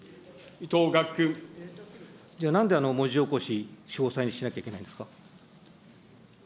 じゃあ、なんであの文字起こし、詳細にしなきゃいけないんですか。